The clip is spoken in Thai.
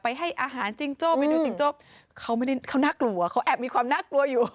ให้อาหารจิงโจ้ไปดูจิงโจ้เขาไม่ได้เขาน่ากลัวเขาแอบมีความน่ากลัวอยู่